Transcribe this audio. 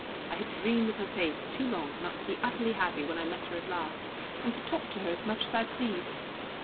I had dreamed of her face too long not to be utterly happy when I met her at last, and could talk to her as much as I pleased.